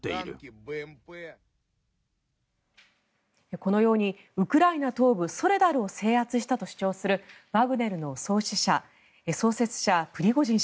このようにウクライナ東部ソレダルを制圧したと主張するワグネルの創設者プリゴジン氏。